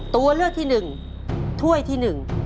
ตัวเลือกที่๑ถ้วยที่๑